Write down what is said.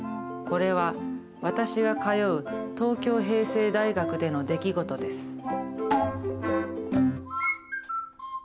これは私が通う東京平成大学での出来事です。